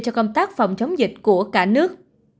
cho công tác phòng chống dịch của cả nước